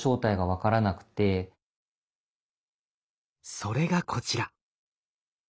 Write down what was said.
それがこちら。